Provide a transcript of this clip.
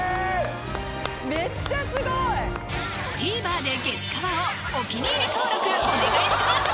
めっちゃスゴいＴＶｅｒで「月カワ」をお気に入り登録お願いします！